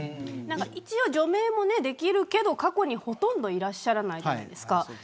一応除名もできるけど過去にほとんどいらっしゃらないじゃないですか。